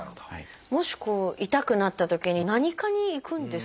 もし痛くなったときに何科に行くんですか？